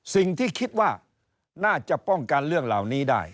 สิ่งที่คิดว่าน่าจะป้องกันเรื่องเหล่านี้ได้